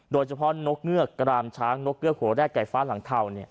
โดยเฉพาะนกเงือกกรามช้างนกเกื้อหัวแรกไก่ฟ้าหลังเทา